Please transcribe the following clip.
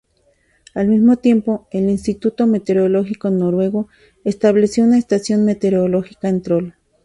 Al mismo tiempo, el Instituto Meteorológico Noruego estableció una estación meteorológica en Troll.